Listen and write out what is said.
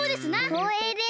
こうえいです。